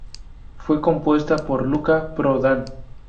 Fue compuesta por Luca Prodan.